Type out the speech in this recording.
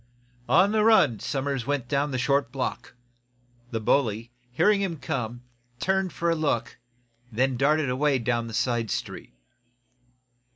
On the run Somers went down the short block. The bully, hearing him come, turned for a look, then darted away down the side street.